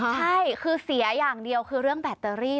ใช่คือเสียอย่างเดียวคือเรื่องแบตเตอรี่